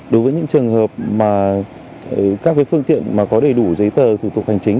đối với những trường hợp mà các phương tiện mà có đầy đủ giấy tờ thủ tục hành chính